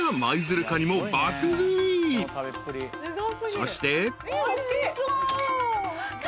［そして］